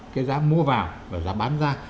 cái giá mua vào và giá bán ra